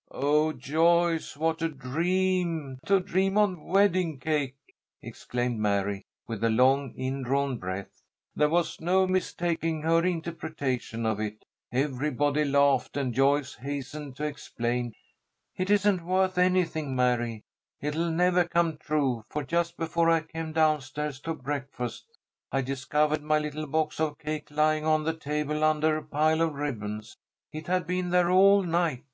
'" "Oh, Joyce, what a dream to dream on wedding cake!" exclaimed Mary, with a long indrawn breath. There was no mistaking her interpretation of it. Everybody laughed, and Joyce hastened to explain, "It isn't worth anything, Mary. It'll never come true, for just before I came down stairs to breakfast I discovered my little box of cake lying on the table under a pile of ribbons. It had been there all night.